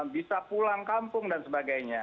bisa pulang kampung dan sebagainya